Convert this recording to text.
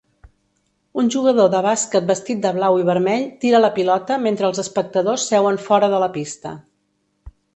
Un jugador de bàsquet vestit de blau i vermell tira la pilota mentre els espectadors seuen fora de la pista.